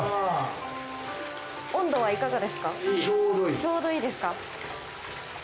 ちょうどいいですか？